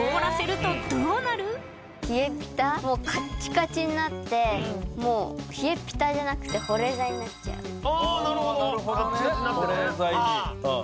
冷えピタもカッチカチになってもう冷えピタじゃなくて保冷剤になっちゃうあ